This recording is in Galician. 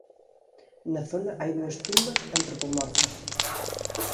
Na zona hai dúas tumbas antropomorfas.